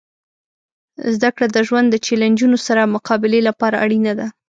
زدهکړه د ژوند د چیلنجونو سره مقابلې لپاره اړینه ده.